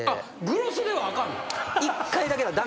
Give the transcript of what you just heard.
グロスではあかんの？